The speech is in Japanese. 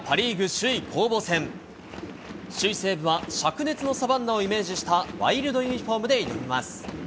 首位西武はしゃく熱のサバンナをイメージしたワイルドユニホームで挑みます。